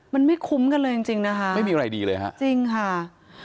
มันไม่คุ้มกันเลยจริงจริงนะคะไม่มีอะไรดีเลยฮะจริงค่ะ